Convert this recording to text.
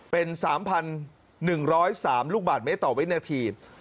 เป็น๓๑๐๓ลูกบาทเมตรต่อวินาที